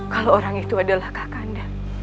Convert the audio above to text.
kalau orang itu adalah kakanda